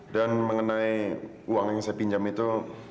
dan mengenai uang yang saya pinjam itu